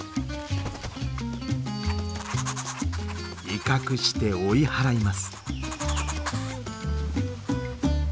威嚇して追い払います。